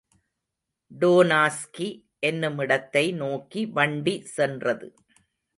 டோனாஸ்கி என்னுமிடத்தை நோக்கி வண்டி சென்றது.